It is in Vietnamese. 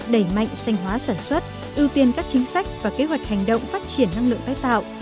đẩy mạnh xanh hóa sản xuất ưu tiên các chính sách và kế hoạch hành động phát triển năng lượng tái tạo